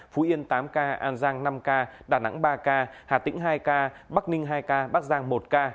phú yên tám ca an giang năm ca đà nẵng ba ca hà tĩnh hai ca bắc ninh hai ca bắc giang một ca